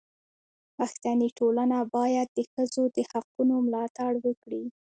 پښتني ټولنه باید د ښځو د حقونو ملاتړ وکړي.